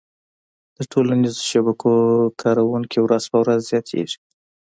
د ټولنیزو شبکو کارونکي ورځ په ورځ زياتيږي